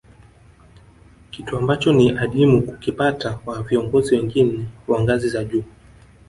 Kitu ambacho ni adimu kukipata kwa viongozi wengine wa ngazi za juu